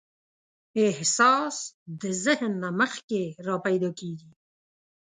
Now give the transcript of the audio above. احساس د ذهن نه مخکې راپیدا کېږي.